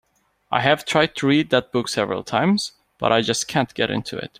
I have tried to read that book several times, but I just can't get into it.